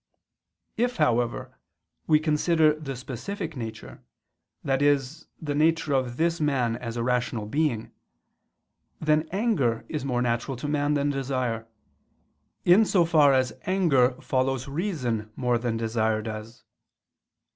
If, however, we consider the specific nature, i.e. the nature of this man as a rational being; then anger is more natural to man than desire, in so far as anger follows reason more than desire does.